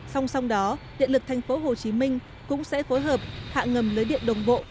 song song đó điện lực tp hcm cũng sẽ phối hợp hạ ngầm lưới điện đồng bộ